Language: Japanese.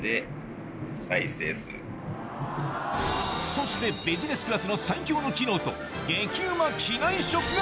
そしてビジネスクラスの最強の機能と激ウマ機内食が！